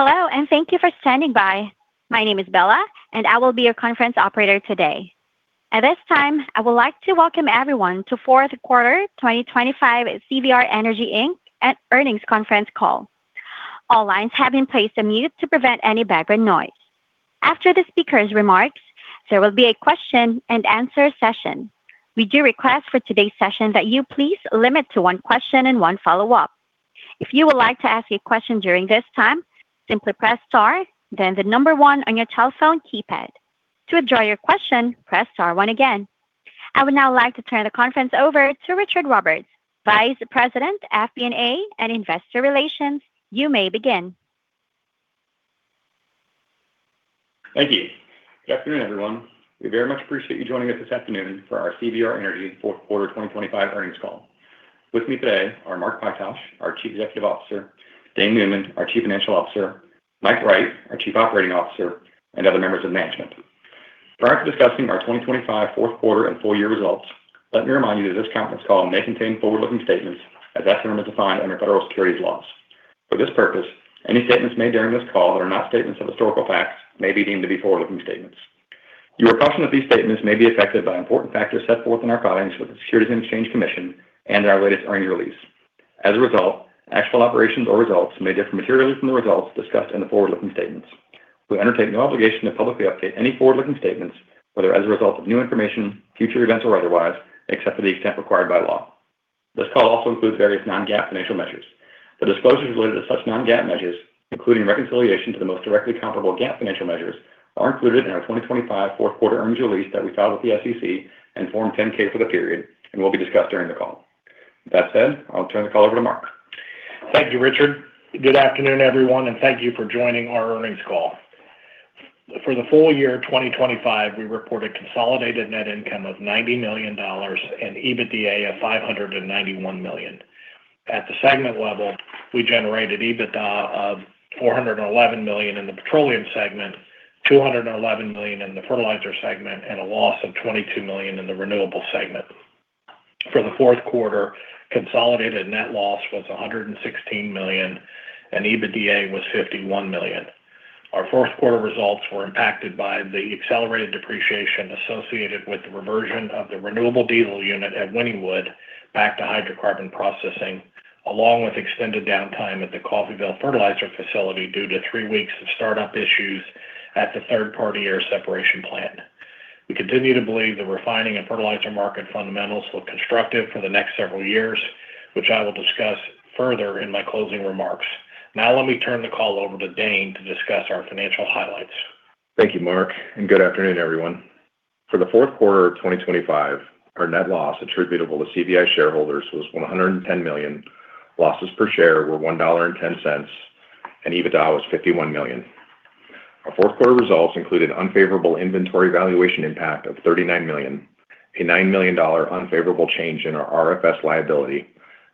Hello, and thank you for standing by. My name is Bella, and I will be your conference operator today. At this time, I would like to welcome everyone to fourth quarter 2025 CVR Energy Inc. Q4 Earnings Conference Call. All lines have been placed on mute to prevent any background noise. After the speaker's remarks, there will be a question and answer session. We do request for today's session that you please limit to one question and one follow-up. If you would like to ask a question during this time, simply press star, then one on your telephone keypad. To withdraw your question, press star one again. I would now like to turn the conference over to Richard Roberts, Vice President, FP&A and Investor Relations. You may begin. Thank you. Good afternoon, everyone. We very much appreciate you joining us this afternoon for our CVR Energy fourth quarter 2025 earnings call. With me today are Mark Pytosh, our Chief Executive Officer, Dane Neumann, our Chief Financial Officer, Mike Wright, our Chief Operating Officer, and other members of management. Prior to discussing our 2025 fourth quarter and full year results, let me remind you that this conference call may contain forward-looking statements as that term is defined under federal securities laws. For this purpose, any statements made during this call that are not statements of historical facts may be deemed to be forward-looking statements. You are cautioned that these statements may be affected by important factors set forth in our filings with the Securities and Exchange Commission and our latest earnings release. As a result, actual operations or results may differ materially from the results discussed in the forward-looking statements. We undertake no obligation to publicly update any forward-looking statements, whether as a result of new information, future events, or otherwise, except to the extent required by law. This call also includes various non-GAAP financial measures. The disclosures related to such non-GAAP measures, including reconciliation to the most directly comparable GAAP financial measures, are included in our 2025 fourth quarter earnings release that we filed with the SEC and Form 10-K for the period and will be discussed during the call. That said, I'll turn the call over to Mark. Thank you, Richard. Good afternoon, everyone, and thank you for joining our earnings call. For the full year 2025, we reported consolidated net income of $90 million and EBITDA of $591 million. At the segment level, we generated EBITDA of $411 million in the petroleum segment, $211 million in the fertilizer segment, and a loss of $22 million in the renewable segment. For the fourth quarter, consolidated net loss was $116 million, and EBITDA was $51 million. Our fourth quarter results were impacted by the accelerated depreciation associated with the reversion of the renewable diesel unit at Wynnewood back to hydrocarbon processing, along with extended downtime at the Coffeyville fertilizer facility due to three weeks of startup issues at the third-party air separation plant. We continue to believe the refining and fertilizer market fundamentals look constructive for the next several years, which I will discuss further in my closing remarks. Now, let me turn the call over to Dane to discuss our financial highlights. Thank you, Mark, and good afternoon, everyone. For the fourth quarter of 2025, our net loss attributable to CVI shareholders was $110 million. Losses per share were $1.10, and EBITDA was $51 million. Our fourth quarter results included unfavorable inventory valuation impact of $39 million, a $9 million unfavorable change in our RFS liability,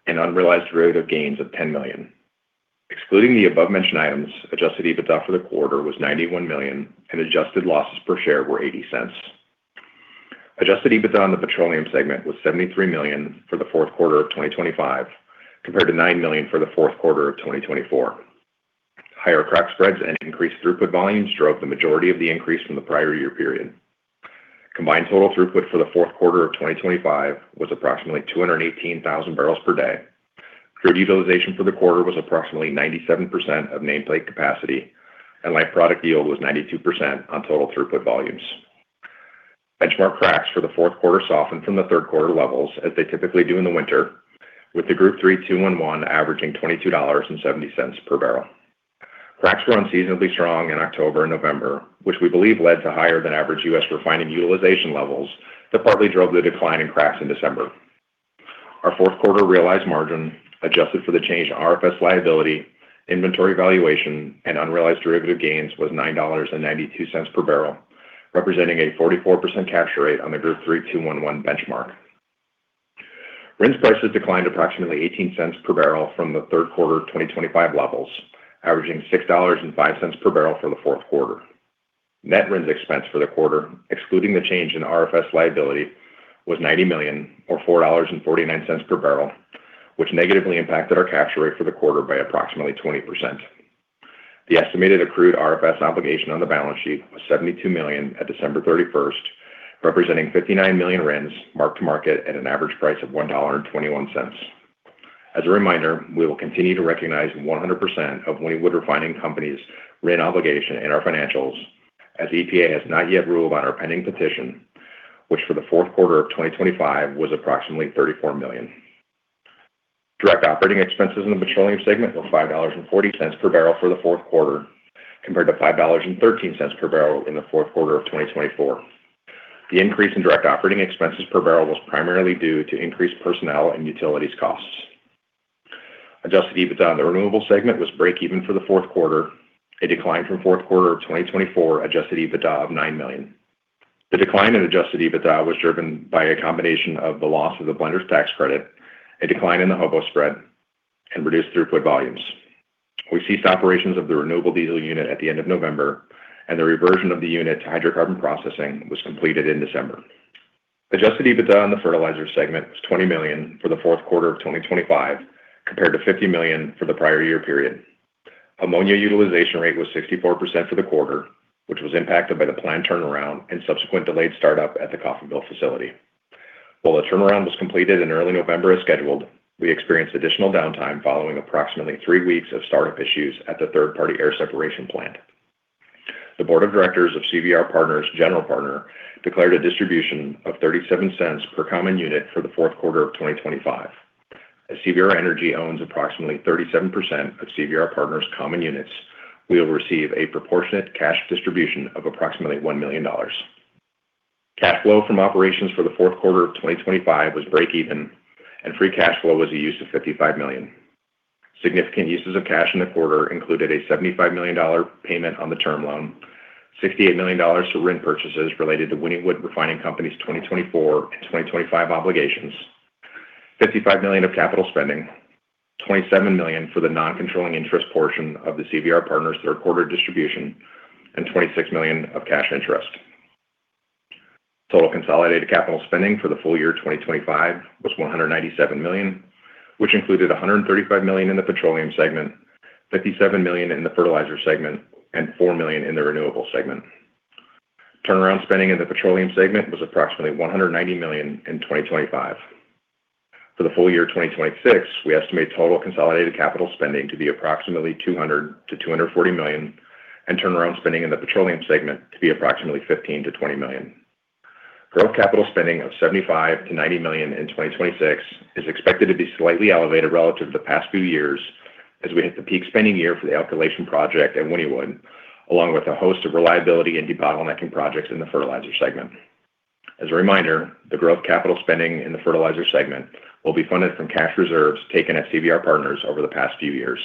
and unrealized derivative gains of $10 million. Excluding the above-mentioned items, Adjusted EBITDA for the quarter was $91 million, and adjusted losses per share were $0.80. Adjusted EBITDA on the petroleum segment was $73 million for the fourth quarter of 2025, compared to $9 million for the fourth quarter of 2024. Higher crack spreads and increased throughput volumes drove the majority of the increase from the prior year period. Combined total throughput for the fourth quarter of 2025 was approximately 218,000 bbl per day. Throughput utilization for the quarter was approximately 97% of nameplate capacity, and light product yield was 92% on total throughput volumes. Benchmark cracks for the fourth quarter softened from the third quarter levels, as they typically do in the winter, with the Group 3 2-1-1 averaging $22.70 per bbl. Cracks were unseasonably strong in October and November, which we believe led to higher than average U.S. refining utilization levels that partly drove the decline in cracks in December. Our fourth quarter realized margin, adjusted for the change in RFS liability, inventory valuation, and unrealized derivative gains, was $9.92 per bbl, representing a 44% capture rate on the Group 3 2-1-1 benchmark. RINs prices declined approximately $0.18 per bbl from the third quarter 2025 levels, averaging $6.05 per bbl for the fourth quarter. Net RINs expense for the quarter, excluding the change in RFS liability, was $90 million or $4.49 per bbl, which negatively impacted our capture rate for the quarter by approximately 20%. The estimated accrued RFS obligation on the balance sheet was $72 million at December 31st, representing 59 million RINs, marked to market at an average price of $1.21. As a reminder, we will continue to recognize 100% of Wynnewood Refining Company's RIN obligation in our financials, as the EPA has not yet ruled on our pending petition, which for the fourth quarter of 2025 was approximately 34 million. Direct operating expenses in the petroleum segment were $5.40 per bbl for the fourth quarter, compared to $5.13 per bbl in the fourth quarter of 2024. The increase in direct operating expenses per barrel was primarily due to increased personnel and utilities costs. Adjusted EBITDA in the renewable segment was breakeven for the fourth quarter, a decline from fourth quarter of 2024 Adjusted EBITDA of $9 million. The decline in Adjusted EBITDA was driven by a combination of the loss of the blenders tax credit, a decline in the HOBO spread, and reduced throughput volumes. We ceased operations of the renewable diesel unit at the end of November, and the reversion of the unit to hydrocarbon processing was completed in December. Adjusted EBITDA on the fertilizer segment was $20 million for the fourth quarter of 2025, compared to $50 million for the prior year period. Ammonia utilization rate was 64% for the quarter, which was impacted by the planned turnaround and subsequent delayed startup at the Coffeyville facility. While the turnaround was completed in early November as scheduled, we experienced additional downtime following approximately three weeks of startup issues at the third-party air separation plant. The board of directors of CVR Partners general partner declared a distribution of $0.37 per common unit for the fourth quarter of 2025. As CVR Energy owns approximately 37% of CVR Partners common units, we will receive a proportionate cash distribution of approximately $1 million. Cash flow from operations for the fourth quarter of 2025 was breakeven, and free cash flow was a use of $55 million. Significant uses of cash in the quarter included a $75 million payment on the term loan, $68 million to RIN purchases related to Wynnewood Refining Company's 2024 and 2025 obligations, $55 million of capital spending, $27 million for the non-controlling interest portion of the CVR Partners' third quarter distribution, and $26 million of cash interest. Total consolidated capital spending for the full year 2025 was $197 million, which included $135 million in the petroleum segment, $57 million in the fertilizer segment, and $4 million in the renewable segment. Turnaround spending in the petroleum segment was approximately $190 million in 2025. For the full year 2026, we estimate total consolidated capital spending to be approximately $200 million-$240 million, and turnaround spending in the petroleum segment to be approximately $15 million-$20 million. Growth capital spending of $75 million-$90 million in 2026 is expected to be slightly elevated relative to the past few years as we hit the peak spending year for the alkylation project at Wynnewood, along with a host of reliability and debottlenecking projects in the fertilizer segment. As a reminder, the growth capital spending in the fertilizer segment will be funded from cash reserves taken at CVR Partners over the past few years.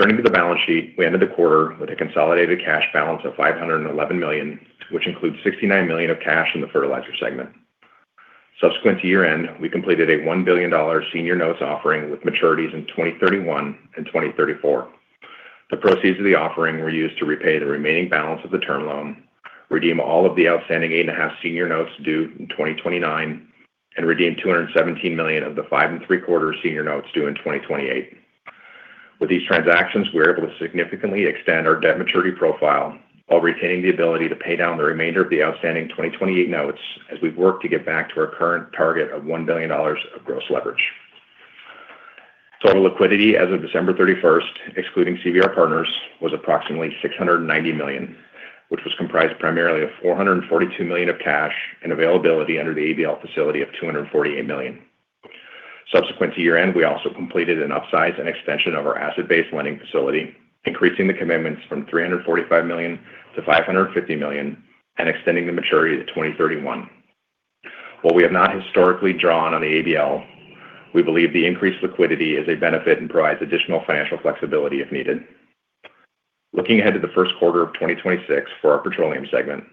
Turning to the balance sheet, we ended the quarter with a consolidated cash balance of $511 million, which includes $69 million of cash in the fertilizer segment. Subsequent to year-end, we completed a $1 billion senior notes offering with maturities in 2031 and 2034. The proceeds of the offering were used to repay the remaining balance of the term loan, redeem all of the outstanding 8.5% senior notes due in 2029, and redeem $217 million of the 5.75% senior notes due in 2028. With these transactions, we're able to significantly extend our debt maturity profile while retaining the ability to pay down the remainder of the outstanding 2028 notes as we work to get back to our current target of $1 billion of gross leverage. Total liquidity as of December 31st, excluding CVR Partners, was approximately $690 million, which was comprised primarily of $442 million of cash and availability under the ABL facility of $248 million. Subsequent to year-end, we also completed an upsize and extension of our asset-based lending facility, increasing the commitments from $345 million-$550 million and extending the maturity to 2031. While we have not historically drawn on the ABL, we believe the increased liquidity is a benefit and provides additional financial flexibility if needed. Looking ahead to the first quarter of 2026 for our petroleum segment,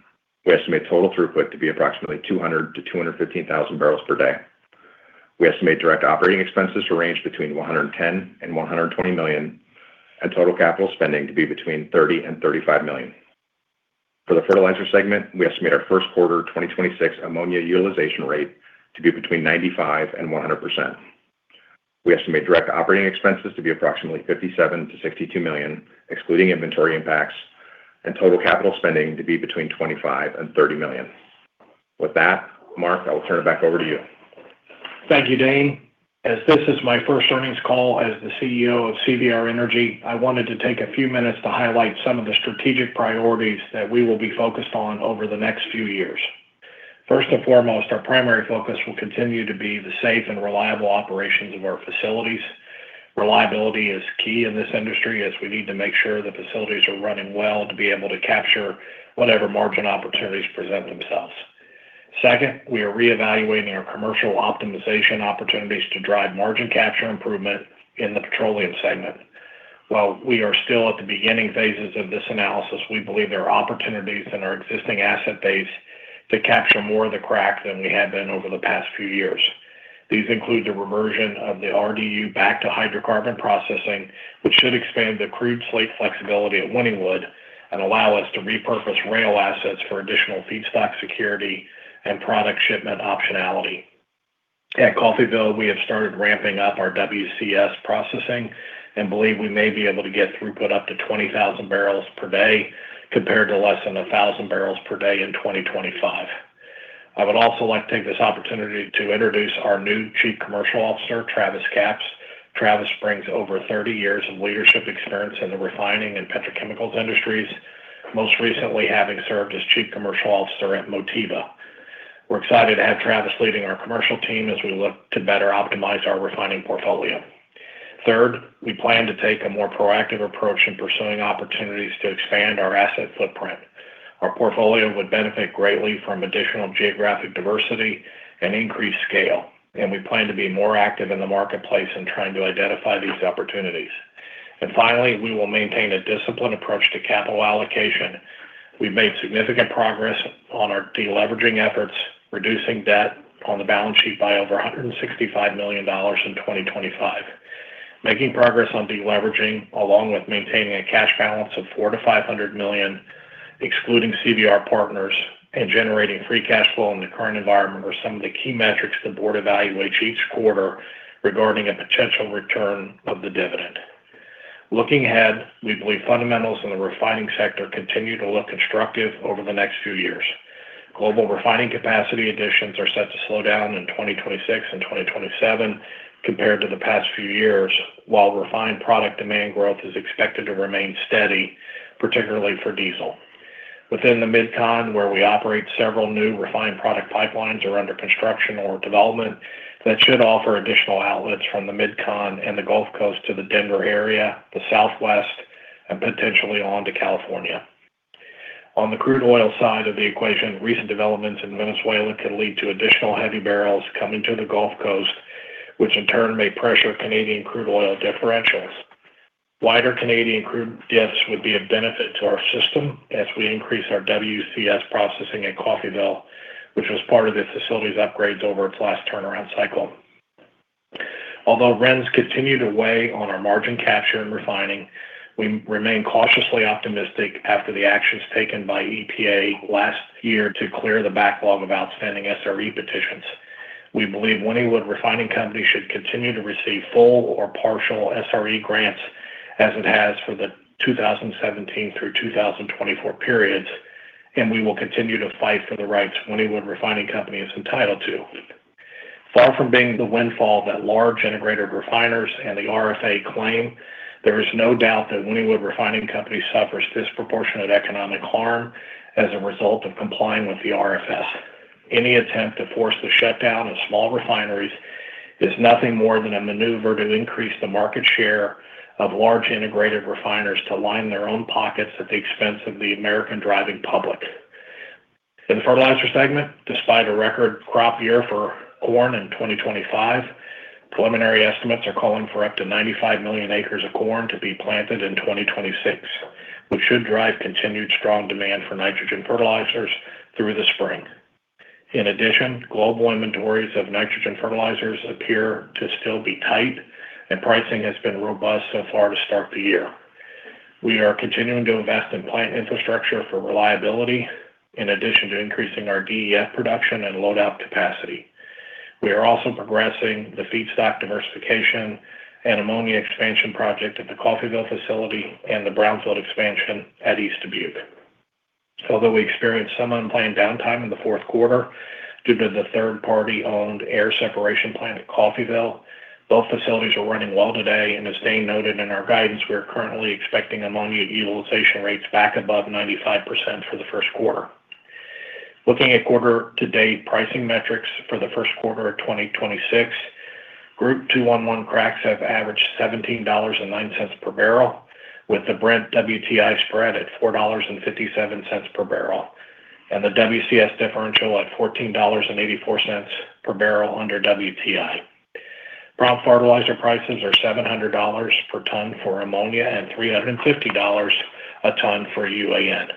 we estimate total throughput to be approximately 200-215 thousand bbl per day. We estimate direct operating expenses to range between $110 million and $120 million, and total capital spending to be between $30 million and $35 million. For the fertilizer segment, we estimate our first quarter 2026 ammonia utilization rate to be between 95% and 100%. We estimate direct operating expenses to be approximately $57 million-$62 million, excluding inventory impacts, and total capital spending to be between $25 million and $30 million. With that, Mark, I will turn it back over to you. Thank you, Dane. As this is my first earnings call as the CEO of CVR Energy, I wanted to take a few minutes to highlight some of the strategic priorities that we will be focused on over the next few years. First and foremost, our primary focus will continue to be the safe and reliable operations of our facilities. Reliability is key in this industry, as we need to make sure the facilities are running well to be able to capture whatever margin opportunities present themselves. Second, we are reevaluating our commercial optimization opportunities to drive margin capture improvement in the petroleum segment. While we are still at the beginning phases of this analysis, we believe there are opportunities in our existing asset base to capture more of the crack than we have been over the past few years. These include the reversion of the RDU back to hydrocarbon processing, which should expand the crude slate flexibility at Wynnewood and allow us to repurpose rail assets for additional feedstock security and product shipment optionality. At Coffeyville, we have started ramping up our WCS processing and believe we may be able to get throughput up to 20,000bbl per day, compared to less than 1,000 bbl per day in 2025. I would also like to take this opportunity to introduce our new Chief Commercial Officer, Travis Capps. Travis brings over 30 years of leadership experience in the refining and petrochemicals industries, most recently having served as Chief Commercial Officer at Motiva. We're excited to have Travis leading our commercial team as we look to better optimize our refining portfolio. Third, we plan to take a more proactive approach in pursuing opportunities to expand our asset footprint. Our portfolio would benefit greatly from additional geographic diversity and increased scale, and we plan to be more active in the marketplace in trying to identify these opportunities. Finally, we will maintain a disciplined approach to capital allocation. We've made significant progress on our deleveraging efforts, reducing debt on the balance sheet by over $165 million in 2025. Making progress on deleveraging, along with maintaining a cash balance of $400 million-$500 million, excluding CVR Partners, and generating free cash flow in the current environment, are some of the key metrics the board evaluates each quarter regarding a potential return of the dividend. Looking ahead, we believe fundamentals in the refining sector continue to look constructive over the next few years. Global refining capacity additions are set to slow down in 2026 and 2027 compared to the past few years, while refined product demand growth is expected to remain steady, particularly for diesel. Within the MidCon, where we operate, several new refined product pipelines are under construction or development that should offer additional outlets from the MidCon and the Gulf Coast to the Denver area, the Southwest, and potentially on to California. On the crude oil side of the equation, recent developments in Venezuela could lead to additional heavy barrels coming to the Gulf Coast, which in turn may pressure Canadian crude oil differentials. Wider Canadian crude diffs would be a benefit to our system as we increase our WCS processing at Coffeyville, which was part of the facility's upgrades over its last turnaround cycle. Although RINs continue to weigh on our margin capture and refining, we remain cautiously optimistic after the actions taken by EPA last year to clear the backlog of outstanding SRE petitions. We believe Wynnewood Refining Company should continue to receive full or partial SRE grants as it has for the 2017 through 2024 periods, and we will continue to fight for the rights Wynnewood Refining Company is entitled to. Far from being the windfall that large integrated refiners and the RFA claim, there is no doubt that Wynnewood Refining Company suffers disproportionate economic harm as a result of complying with the RFS. Any attempt to force the shutdown of small refineries is nothing more than a maneuver to increase the market share of large integrated refiners to line their own pockets at the expense of the American driving public. In the fertilizer segment, despite a record crop year for corn in 2025, preliminary estimates are calling for up to 95 million acres of corn to be planted in 2026, which should drive continued strong demand for nitrogen fertilizers through the spring. In addition, global inventories of nitrogen fertilizers appear to still be tight, and pricing has been robust so far to start the year. We are continuing to invest in plant infrastructure for reliability, in addition to increasing our DEF production and load-out capacity. We are also progressing the feedstock diversification and ammonia expansion project at the Coffeyville facility and the brownfield expansion at East Dubuque. Although we experienced some unplanned downtime in the fourth quarter due to the third-party-owned air separation plant at Coffeyville, both facilities are running well today, and as Dane noted in our guidance, we are currently expecting ammonia utilization rates back above 95% for the first quarter. Looking at quarter to date pricing metrics for the first quarter of 2026, Group 2-1-1 cracks have averaged $17.09 per bbl, with the Brent WTI spread at $4.57 per bbl, and the WCS differential at $14.84 per bbl under WTI. Prompt fertilizer prices are $700 per ton for ammonia and $350 a ton for UAN.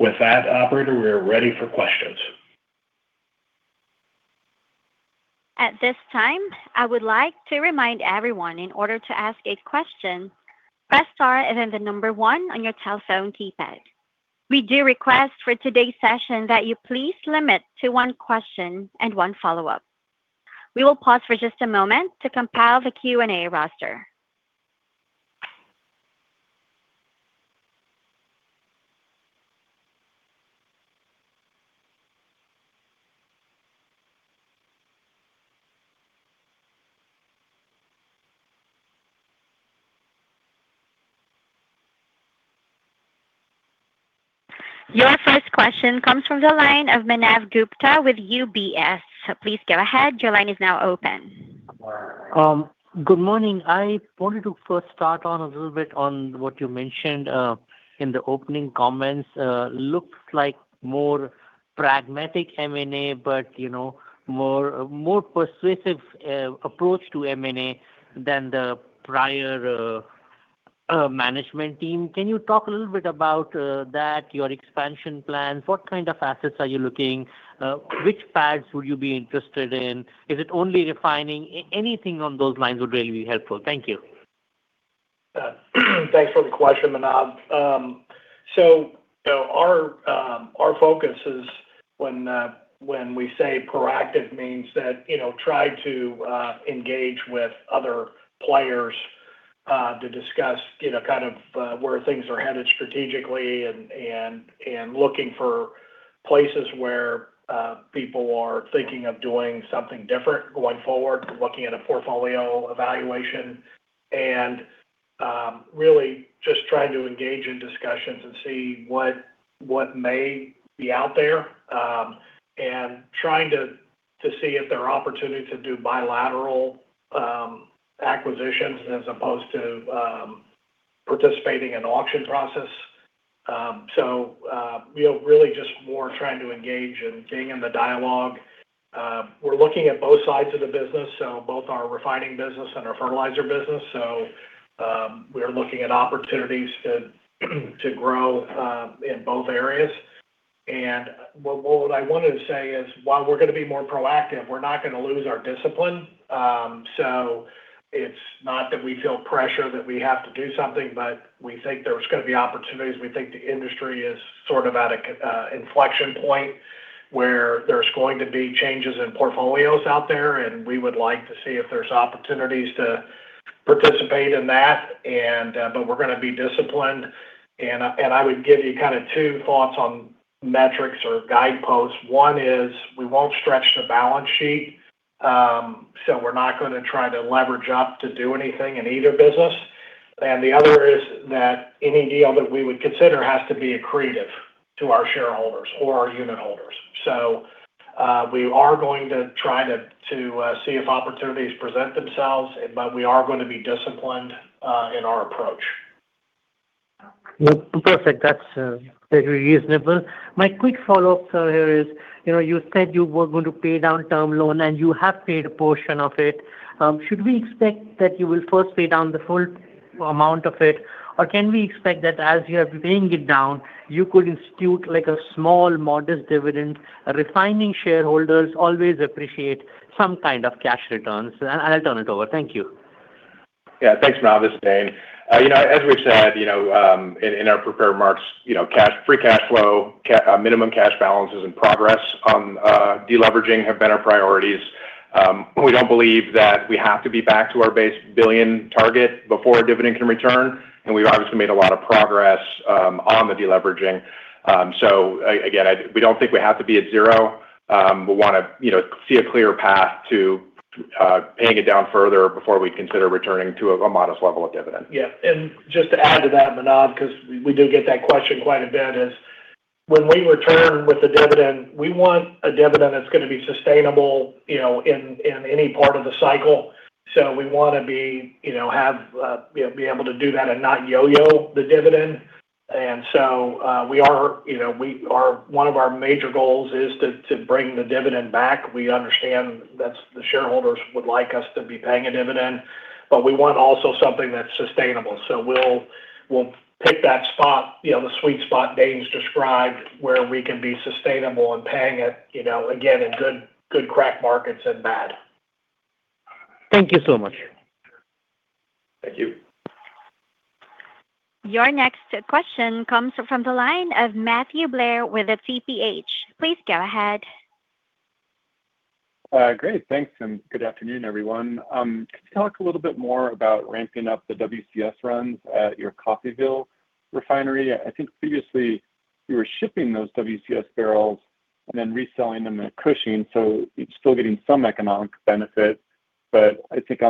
With that, operator, we are ready for questions. At this time, I would like to remind everyone in order to ask a question, press star and then the number one on your telephone keypad. We do request for today's session that you please limit to one question and one follow-up. We will pause for just a moment to compile the Q&A roster. Your first question comes from the line of Manav Gupta with UBS. Please go ahead. Your line is now open. Good morning. I wanted to first start on a little bit on what you mentioned in the opening comments. Looks like more pragmatic M&A, but, you know, more, more persuasive approach to M&A than the prior management team. Can you talk a little bit about that, your expansion plans? What kind of assets are you looking? Which paths would you be interested in? Is it only refining? Anything on those lines would really be helpful. Thank you. Thanks for the question, Manav. So our focus is when we say proactive, means that, you know, try to engage with other players to discuss, you know, kind of, where things are headed strategically and looking for places where people are thinking of doing something different going forward, looking at a portfolio evaluation and really just trying to engage in discussions and see what may be out there and trying to see if there are opportunities to do bilateral acquisitions as opposed to participating in auction process. So we are really just more trying to engage and being in the dialogue. We're looking at both sides of the business, so both our refining business and our fertilizer business. So, we are looking at opportunities to grow in both areas. And what I wanted to say is, while we're going to be more proactive, we're not going to lose our discipline. So it's not that we feel pressure that we have to do something, but we think there's going to be opportunities. We think the industry is sort of at a inflection point where there's going to be changes in portfolios out there, and we would like to see if there's opportunities to participate in that. And but we're gonna be disciplined, and I would give you kind of two thoughts on metrics or guideposts. One is, we won't stretch the balance sheet, so we're not gonna try to leverage up to do anything in either business. And the other is that any deal that we would consider has to be accretive to our shareholders or our unitholders. So, we are going to try to see if opportunities present themselves, but we are going to be disciplined in our approach. Perfect. That's very reasonable. My quick follow-up here is, you know, you said you were going to pay down term loan, and you have paid a portion of it. Should we expect that you will first pay down the full amount of it, or can we expect that as you are paying it down, you could institute, like, a small, modest dividend? Refining shareholders always appreciate some kind of cash returns. And I'll turn it over. Thank you. Yeah, thanks, Manav. Dane, you know, as we've said, you know, in our prepared remarks, you know, cash, free cash flow, minimum cash balances, and progress on deleveraging have been our priorities. We don't believe that we have to be back to our base billion target before a dividend can return, and we've obviously made a lot of progress on the deleveraging. So again, I, we don't think we have to be at 0. We want to, you know, see a clear path to paying it down further before we consider returning to a modest level of dividend. Yeah, and just to add to that, Manav, 'cause we do get that question quite a bit, is when we return with a dividend, we want a dividend that's gonna be sustainable, you know, in any part of the cycle. So we want to be, you know, have, you know, be able to do that and not yo-yo the dividend. And so, we are, you know, one of our major goals is to bring the dividend back. We understand that's the shareholders would like us to be paying a dividend, but we want also something that's sustainable. So we'll pick that spot, you know, the sweet spot Dane's described, where we can be sustainable in paying it, you know, again, in good crack markets and bad. Thank you so much. Thank you. Your next question comes from the line of Matthew Blair with the TPH. Please go ahead. Great. Thanks, and good afternoon, everyone. Can you talk a little bit more about ramping up the WCS runs at your Coffeyville refinery? I think previously you were shipping those WCS barrels and then reselling them at Cushing, so you're still getting some economic benefit. But I think,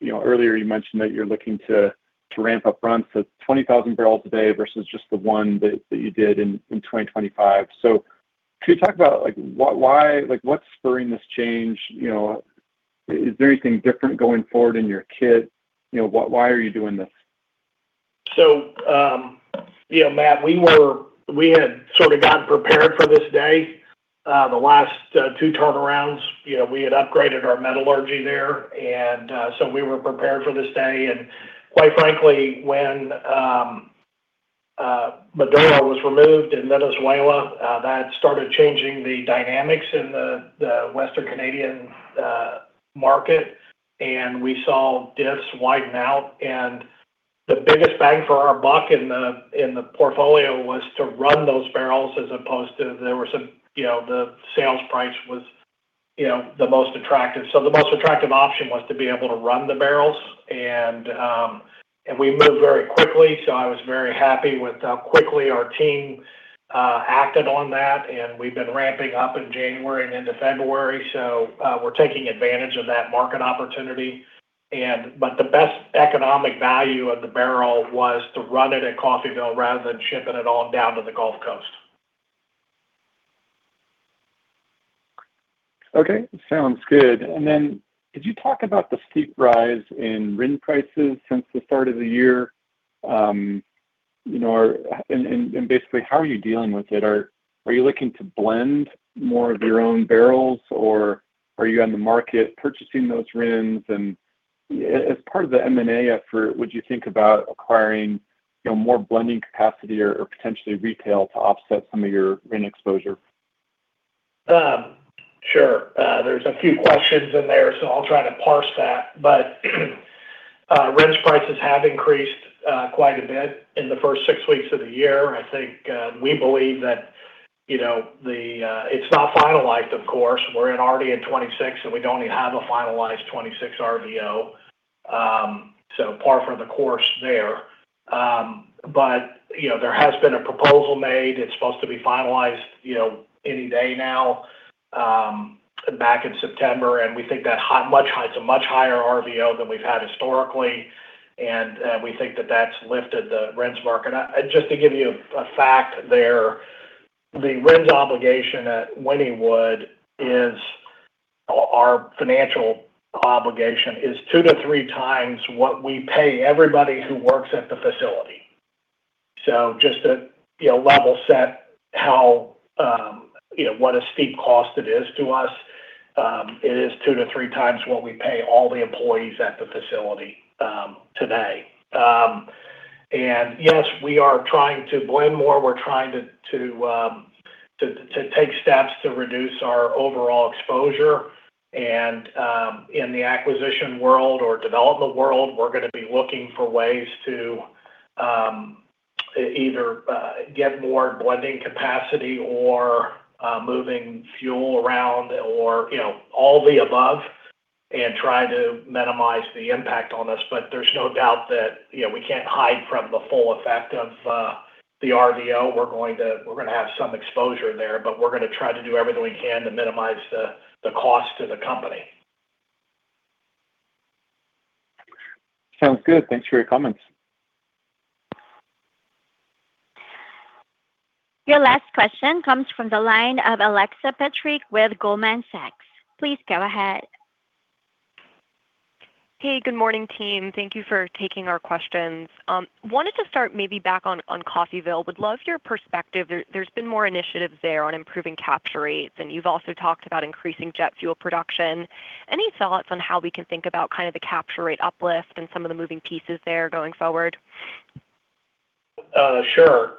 you know, earlier you mentioned that you're looking to ramp up runs to 20,000 bbl a day versus just the one that you did in 2025. So could you talk about, like, why, why? Like, what's spurring this change? You know, is there anything different going forward in your kit? You know, why, why are you doing this? So, you know, Matt, we were—we had sort of gotten prepared for this day. The last two turnarounds, you know, we had upgraded our metallurgy there, and so we were prepared for this day. And quite frankly, when Maduro was removed in Venezuela, that started changing the dynamics in the Western Canadian market, and we saw diffs widen out. And the biggest bang for our buck in the portfolio was to run those barrels as opposed to there were some, you know, the sales price was, you know, the most attractive. So the most attractive option was to be able to run the barrels. And we moved very quickly, so I was very happy with how quickly our team acted on that. We've been ramping up in January and into February, so, we're taking advantage of that market opportunity. But the best economic value of the barrel was to run it at Coffeyville rather than shipping it all down to the Gulf Coast. Okay, sounds good. Then, could you talk about the steep rise in RIN prices since the start of the year? You know, basically, how are you dealing with it? Are you looking to blend more of your own barrels, or are you on the market purchasing those RINs? And as part of the M&A effort, would you think about acquiring, you know, more blending capacity or potentially retail to offset some of your RIN exposure? Sure. There's a few questions in there, so I'll try to parse that. But, RINs prices have increased, quite a bit in the first six weeks of the year. I think, we believe that, you know, the... It's not finalized, of course. We're already in 2026, and we don't even have a finalized 2026 RVO, so par for the course there. But, you know, there has been a proposal made. It's supposed to be finalized, you know, any day now, back in September, and we think that high, much high—it's a much higher RVO than we've had historically, and, we think that that's lifted the RINs market. And just to give you a fact there, the RINs obligation at Wynnewood is our financial obligation, is two to three times what we pay everybody who works at the facility. So just to, you know, level set how you know, what a steep cost it is to us. It is two to three times what we pay all the employees at the facility today. And yes, we are trying to blend more. We're trying to take steps to reduce our overall exposure. And in the acquisition world or development world, we're gonna be looking for ways to either get more blending capacity or moving fuel around or, you know, all the above and try to minimize the impact on us. But there's no doubt that, you know, we can't hide from the full effect of the RVO. We're going to- we're gonna have some exposure there, but we're gonna try to do everything we can to minimize the cost to the company. Sounds good. Thanks for your comments. Your last question comes from the line of Alexa Petrick with Goldman Sachs. Please go ahead. Hey, good morning, team. Thank you for taking our questions. Wanted to start maybe back on, on Coffeyville. Would love your perspective. There, there's been more initiatives there on improving capture rates, and you've also talked about increasing jet fuel production. Any thoughts on how we can think about kind of the capture rate uplift and some of the moving pieces there going forward? Sure.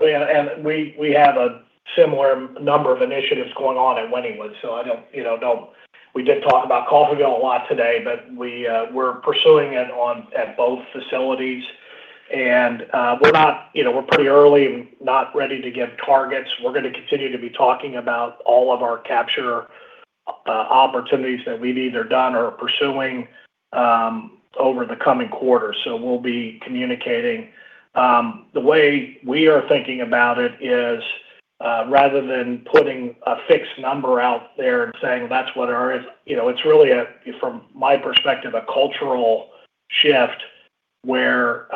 Yeah, and we, we have a similar number of initiatives going on at Wynnewood, so I don't, you know, don't—we did talk about Coffeyville a lot today, but we, we're pursuing it at both facilities. And, we're not—you know, we're pretty early and not ready to give targets. We're gonna continue to be talking about all of our capture opportunities that we've either done or are pursuing over the coming quarters. So we'll be communicating. The way we are thinking about it is rather than putting a fixed number out there and saying, "That's what our..." You know, it's really a, from my perspective, a cultural shift, where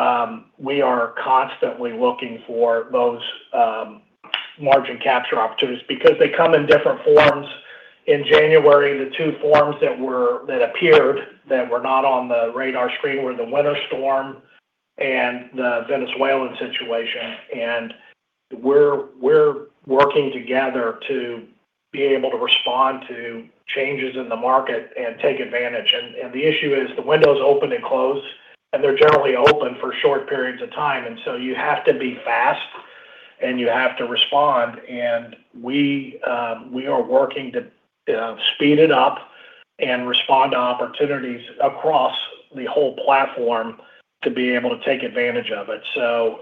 we are constantly looking for those margin capture opportunities because they come in different forms. In January, the two forms that appeared, that were not on the radar screen, were the winter storm and the Venezuelan situation. We're working together to be able to respond to changes in the market and take advantage. And the issue is the windows open and close, and they're generally open for short periods of time, and so you have to be fast, and you have to respond. And we are working to speed it up and respond to opportunities across the whole platform to be able to take advantage of it. So,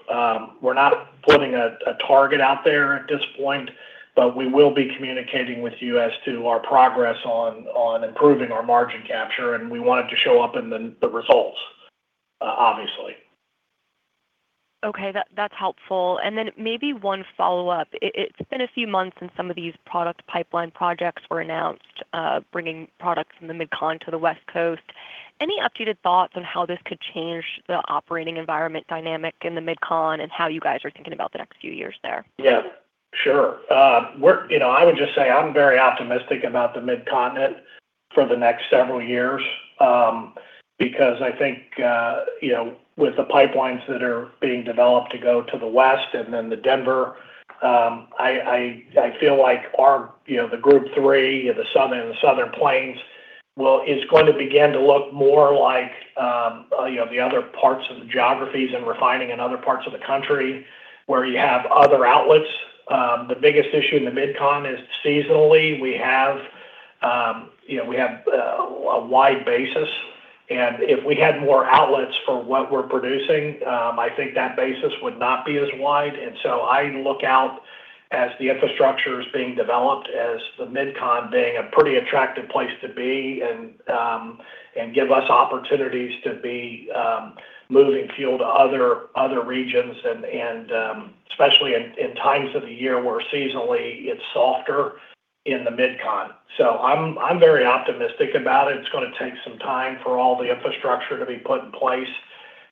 we're not putting a target out there at this point, but we will be communicating with you as to our progress on improving our margin capture, and we want it to show up in the results, obviously. Okay, that, that's helpful. And then maybe one follow-up. It, it's been a few months since some of these product pipeline projects were announced, bringing products from the MidCon to the West Coast. Any updated thoughts on how this could change the operating environment dynamic in the MidCon and how you guys are thinking about the next few years there? Yeah, sure. We're—you know, I would just say I'm very optimistic about the Midcontinent for the next several years. Because I think, you know, with the pipelines that are being developed to go to the West and then the Denver, I feel like our, you know, the Group 3 and the Southern, the Southern Plains will is going to begin to look more like, you know, the other parts of the geographies and refining in other parts of the country, where you have other outlets. The biggest issue in the MidCon is seasonally, we have, you know, we have a wide basis, and if we had more outlets for what we're producing, I think that basis would not be as wide. And so I look out as the infrastructure is being developed, as the MidCon being a pretty attractive place to be, and give us opportunities to be moving fuel to other regions, and especially in times of the year, where seasonally it's softer in the MidCon. So I'm very optimistic about it. It's gonna take some time for all the infrastructure to be put in place,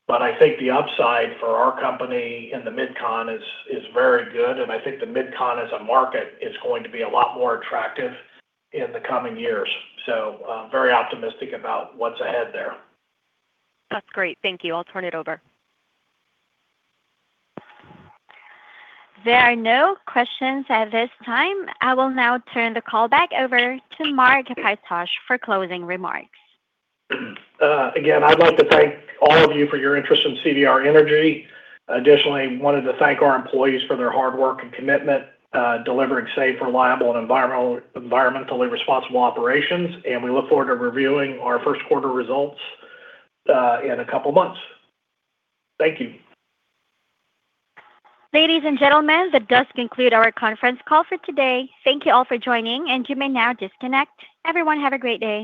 but I think the upside for our company in the MidCon is very good, and I think the MidCon as a market is going to be a lot more attractive in the coming years. So, very optimistic about what's ahead there. That's great. Thank you. I'll turn it over. There are no questions at this time. I will now turn the call back over to Mark Pytosh for closing remarks. Again, I'd like to thank all of you for your interest in CVR Energy. Additionally, wanted to thank our employees for their hard work and commitment, delivering safe, reliable, and environmentally responsible operations, and we look forward to reviewing our first quarter results, in a couple of months. Thank you. Ladies and gentlemen, that does conclude our conference call for today. Thank you all for joining, and you may now disconnect. Everyone, have a great day.